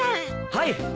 はい！